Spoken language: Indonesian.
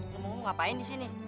lo mau ngapain disini